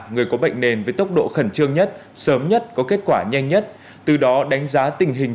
người có bệnh nền với tốc độ khẩn trương nhất sớm nhất có kết quả nhanh nhất từ đó đánh giá tình hình